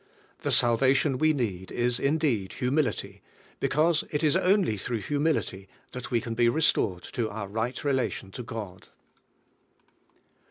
The salvation we need is indeed humility, because it is only through humility that we can be restored to our right relation to God.